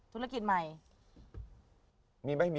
ธุรกิจใหม่